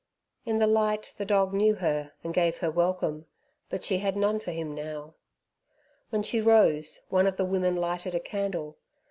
In the light the dog knew her and gave her welcome. But she had none for him now. When she rose one of the women lighted a candle.